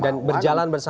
dan berjalan bersama